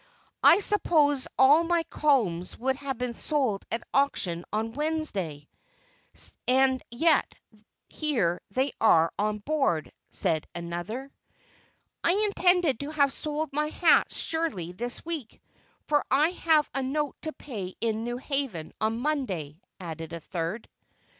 "I supposed all my combs would have been sold at auction on Wednesday, and yet here they are on board," said another. "I intended to have sold my hats surely this week, for I have a note to pay in New Haven on Monday," added a third.